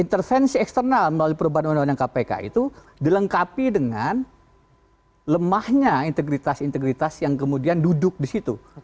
intervensi eksternal melalui perubahan undang undang kpk itu dilengkapi dengan lemahnya integritas integritas yang kemudian duduk di situ